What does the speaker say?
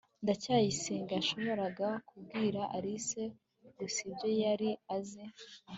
ndacyayisenga yashoboraga kubwira alice gusa ibyo yari azi